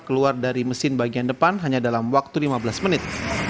keluar dari mesin bagian depan hanya dalam waktu lima belas menit